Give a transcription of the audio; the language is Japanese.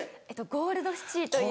ゴールドシチーという。